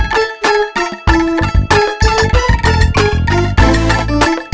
terus sepuluh privat